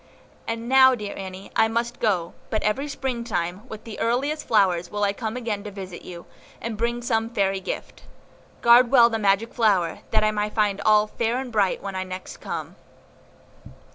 And now, dear Annie, I must go; but every Springtime, with the earliest flowers, will I come again to visit you, and bring some fairy gift. Guard well the magic flower, that I may find all fair and bright when next I come."